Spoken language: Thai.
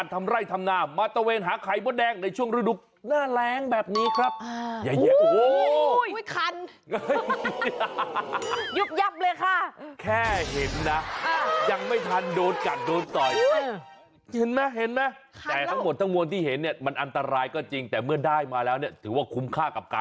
ทำไร่ทำหน้ามาตะเวนหาไข่มดแดงในช่วงฤดุก